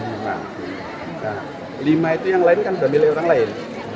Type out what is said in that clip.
lima itu yang lain kan sudah milih orang lain